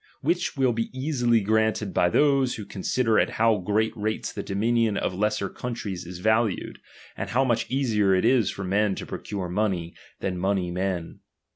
Which will be easily granted by those, who consider at how great rates the dominion of lesser countries is valued ; and how much easier it is for men to pro cure money, than money men.